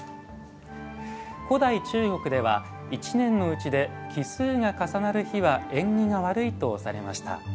古代中国では１年のうちで奇数が重なる日は縁起が悪いとされました。